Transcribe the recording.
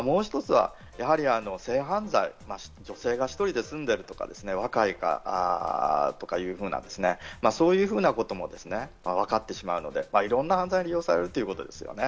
そして性犯罪、女性が１人で住んでいるとか、若いかとかいうそういうこともわかってしまうので、いろんな犯罪に利用されるということですね。